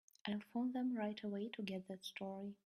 I'll phone them right away to get that story.